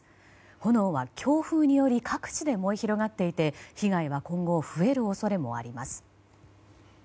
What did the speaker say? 炎は強風により各地で燃え広がっていて被害は今後増える恐れもあります。